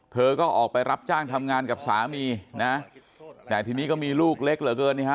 เธอก็ออกไปรับจ้างทำงานกับสามีนะแต่ทีนี้ก็มีลูกเล็กเหลือเกินนี่ฮะ